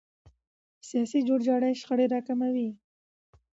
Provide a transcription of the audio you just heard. سیاسي جوړجاړی شخړې راکموي